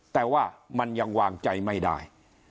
แต่ว่ามันยังวางใจไม่ได้